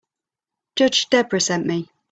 Judge Debra sent me.